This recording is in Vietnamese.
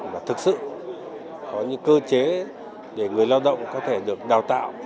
và thực sự có những cơ chế để người lao động có thể được đào tạo